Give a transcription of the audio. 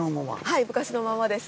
はい昔のままです。